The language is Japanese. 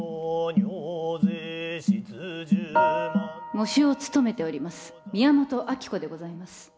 喪主を務めております宮本亜希子でございます